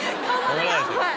はい！